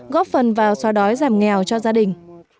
góp phần vào xóa đói giảm nghèo cho gia đình